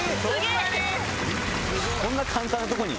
そんな簡単なとこに？